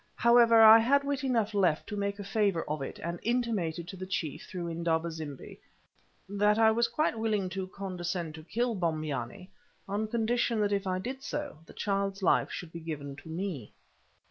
However, I had wit enough left to make a favour of it, and intimated to the chief through Indaba zimbi that I was quite willing to condescend to kill Bombyane, on condition that if I did so the child's life should be given to me.